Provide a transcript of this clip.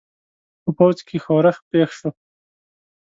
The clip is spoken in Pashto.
په پوځ کې ښورښ پېښ شو.